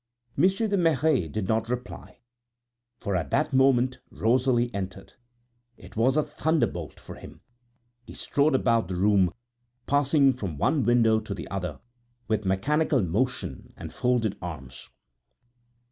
Monsieur de Merret did not reply, for at that moment Rosalie entered. It was a thunderbolt for him. He strode about the room, passing from one window to the other, with mechanical motion and folded arms.